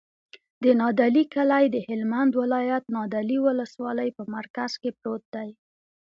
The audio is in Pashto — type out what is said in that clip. د نادعلي کلی د هلمند ولایت، نادعلي ولسوالي په مرکز کې پروت دی.